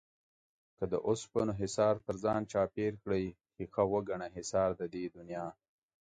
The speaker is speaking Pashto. که د اوسپنو حِصار تر ځان چاپېر کړې ښيښه وگڼه حِصار د دې دنيا